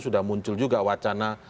sudah muncul juga wacana